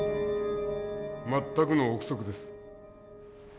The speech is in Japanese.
全くの臆測です。